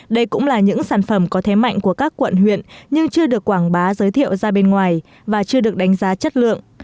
đây cũng là những sản phẩm có thế mạnh của các quận huyện nhưng chưa được quảng bá giới thiệu ra bên ngoài và chưa được đánh giá chất lượng